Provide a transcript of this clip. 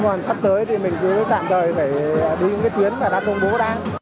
còn sắp tới thì mình cứ tạm thời phải đi những cái tuyến mà đã công bố ra